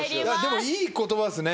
でもいい言葉ですね。